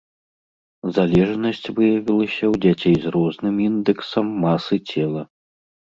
Залежнасць выявілася ў дзяцей з розным індэксам масы цела.